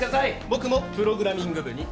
僕もプログラミング部に。